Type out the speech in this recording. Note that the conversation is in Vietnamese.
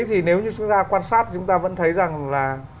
thì nếu như chúng ta quan sát chúng ta vẫn thấy rằng là